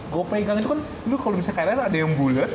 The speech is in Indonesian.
gue pegang itu kan lo kalo misalnya krl ada yang bulet